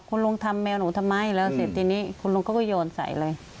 คุณลุงทำแมวหนูทำไมแล้วเสร็จทีนี้คุณลุงเขาก็โยนใส่เลย